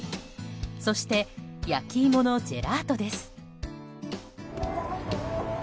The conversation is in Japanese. そして焼き芋のジェラートです。